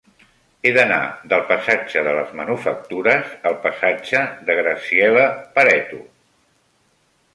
He d'anar del passatge de les Manufactures al passatge de Graziella Pareto.